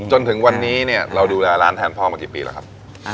จนถึงวันนี้เนี่ยเราดูแลร้านแทนพ่อมากี่ปีแล้วครับ